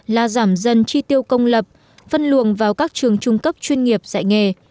là giảm dần chi tiêu công lập phân luồng vào các trường trung cấp chuyên nghiệp dạy nghề